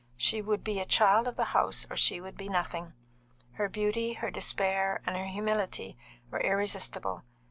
She would be a child of the house or she would be nothing. Her beauty, her despair, and her humility were irresistible.